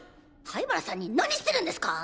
灰原さんに何してるんですか。